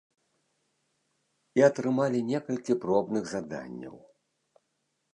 І атрымалі некалькі пробных заданняў.